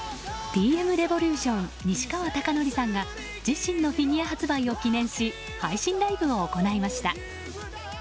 Ｔ．Ｍ．Ｒｅｖｏｌｕｔｉｏｎ西川貴教さんが自身のフィギュア発売を記念し配信ライブを行いました。